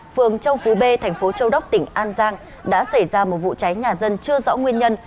phường châu phú b thành phố châu đốc tỉnh an giang đã xảy ra một vụ cháy nhà dân chưa rõ nguyên nhân